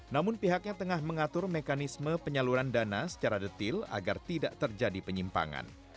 namun pihaknya tengah mengatur mekanisme penyaluran dana secara detil agar tidak terjadi penyimpangan